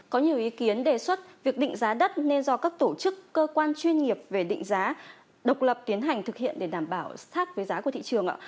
có nhiều ý kiến đề xuất việc định giá đất nên do các tổ chức cơ quan chuyên nghiệp về định giá độc lập tiến hành thực hiện để đảm bảo sát với giá của thị trường ạ